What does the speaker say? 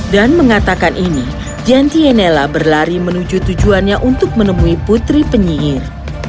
dan mengatakan ini diantienela berlari menuju tujuannya untuk menemui putri penyihir